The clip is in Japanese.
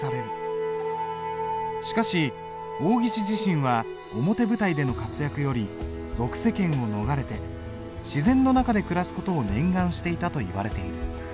しかし王羲之自身は表舞台での活躍より俗世間を逃れて自然の中で暮らす事を念願していたといわれている。